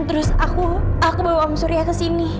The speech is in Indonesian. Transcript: terus aku bawa om surya ke sini